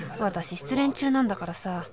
私失恋中なんだからさ